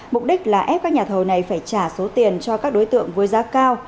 mục đích là ép các nhà thầu này phải trả số tiền cho các đối tượng với giá cao